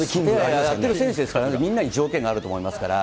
やってる選手ですからね、みんなに条件があると思いますから。